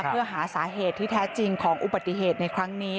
เพื่อหาสาเหตุที่แท้จริงของอุบัติเหตุในครั้งนี้